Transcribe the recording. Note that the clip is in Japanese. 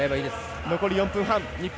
残り４分半日本